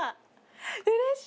うれしい！